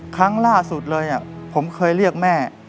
ครั้งล่าสุดเลยผมเคยเรียกแม่